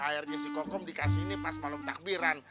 thr jessica kokom dikasih ini pas malam takbiran